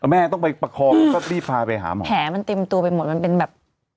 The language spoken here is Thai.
แม่ต้องไปประคองก็รีบพาไปหาหมอแผลมันเต็มตัวไปหมดมันเป็นแบบ